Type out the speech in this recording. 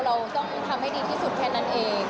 เราต้องทำให้ดีที่สุดแค่นั้นเอง